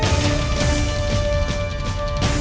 aku akan menangkan gusti ratu